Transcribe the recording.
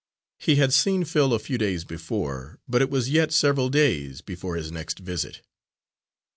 He had seen Phil a few days before, but it was yet several days before his next visit.